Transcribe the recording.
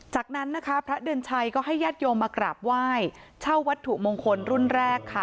จากนั้นนะคะพระเดือนชัยก็ให้ญาติโยมมากราบไหว้เช่าวัตถุมงคลรุ่นแรกค่ะ